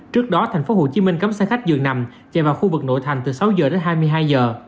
trước đó tp hcm cấm xe khách dường nằm chạy vào khu vực nội thành từ sáu giờ đến hai mươi hai giờ